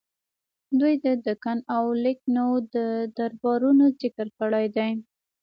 دوی د دکن او لکنهو د دربارونو ذکر کړی دی.